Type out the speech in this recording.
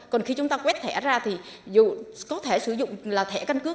còn khi chúng ta quét thẻ ra thì dù có thể sử dụng là thẻ căn cước